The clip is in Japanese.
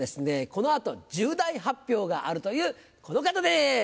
この後重大発表があるというこの方です。